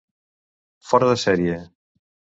Fora de sèrie.